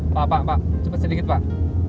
pak pak pak cepet sedikit pak